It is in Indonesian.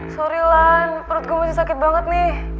sorry lan perut gua masih sakit banget nih